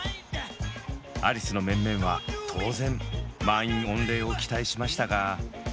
アリスの面々は当然満員御礼を期待しましたが。